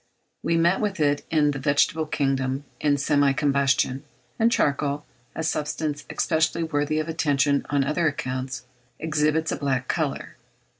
We meet with it in the vegetable kingdom in semi combustion; and charcoal, a substance especially worthy of attention on other accounts, exhibits a black colour.